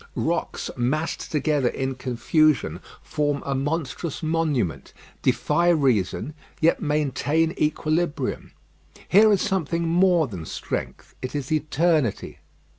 Rocks massed together in confusion form a monstrous monument, defy reason, yet maintain equilibrium. Here is something more than strength; it is eternity.